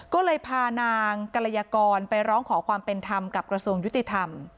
ก็เลยพานางกรยากรไปร้องขอความเป็นธรรมกับกระทรวงยุติธรรม